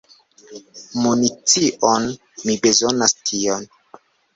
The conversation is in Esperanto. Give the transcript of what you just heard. Municion! Mi bezonas tion.